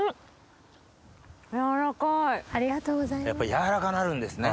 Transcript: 軟らかなるんですね。